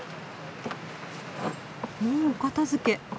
もうお片づけ。